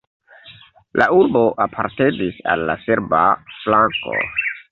La urbo apartenis al la serba flanko.